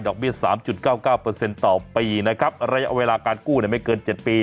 เบี้๓๙๙ต่อปีนะครับระยะเวลาการกู้ไม่เกิน๗ปี